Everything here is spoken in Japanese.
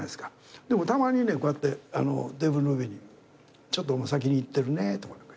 でもたまにねこうやってテーブルの上にちょっと先に行ってるねとか。